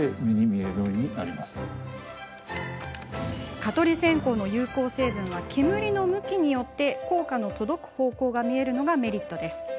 蚊取り線香の有効成分は煙の向きによって効果の届く方向が見えるのがメリット。